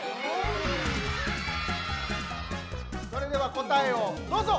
それではこたえをどうぞ！